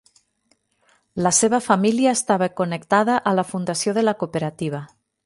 La seva família estava connectada a la fundació de la cooperativa.